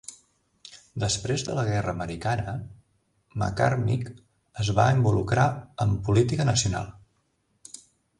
Després de la Guerra Americana, Macarmick es va involucrar en política nacional.